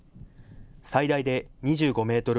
最大で２５メートル